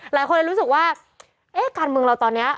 หลายคนเลยรู้สึกว่าเอ๊ะการเมืองเราตอนนี้